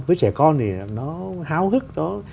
với trẻ con thì nó háo hức